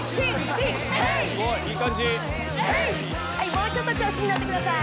もうちょっと調子に乗ってください。